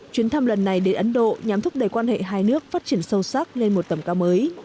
chuyến thăm lần này đến ấn độ nhằm thúc đẩy quan hệ hai nước phát triển sâu sắc lên một tầm cao mới